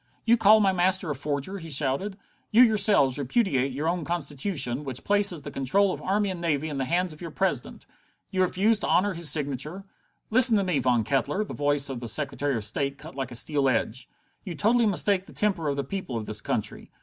"You call my master a forger?" he shouted. "You yourselves repudiate your own Constitution, which places the control of army and navy in the hands of your President? You refuse to honor his signature?" "Listen to me, Mr. Von Kettler!" The voice of the Secretary of State cut like a steel edge. "You totally mistake the temper of the people of this country.